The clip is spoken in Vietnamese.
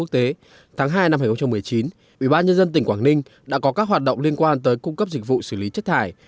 tháng hai năm hai nghìn một mươi chín ủy ban nhân dân tỉnh quảng ninh đã có các hoạt động liên quan tới cung cấp dịch vụ xử lý chất thải